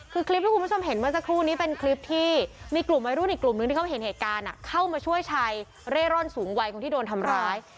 คือคลิปที่คุณผู้ชมเห็นเมื่อสักครู่นี้เป็นคลิปที่มีกลุ่มวัยรุ่นอีกกลุ่มนึงที่เขาเห็นเหตุการณ์เข้ามาช่วยชายเร่ร่อนสูงวัยคนที่โดนทำร้าย